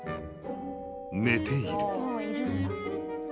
［寝ている］